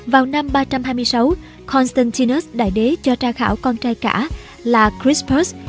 vào năm ba trăm hai mươi sáu constantinus đại đế cho tra khảo con trai cả là chrispus